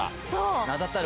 名だたる。